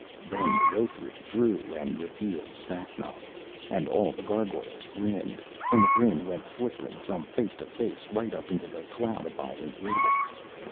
Then Leothric drew and revealed Sacnoth, and all the gargoyles grinned, and the grin went flickering from face to face right up into the cloud abiding gables.